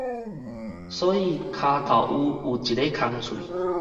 所以跤頭趺有一个空喙